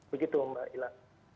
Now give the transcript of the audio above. begitu mbak ila